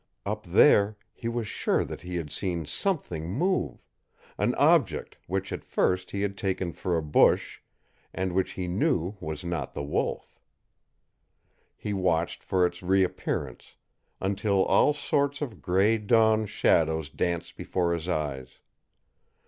Up there he was sure that he had seen something move an object which at first he had taken for a bush, and which he knew was not the wolf. He watched for its reappearance, until all sorts of gray dawn shadows danced before his eyes.